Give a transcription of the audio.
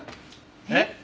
えっ？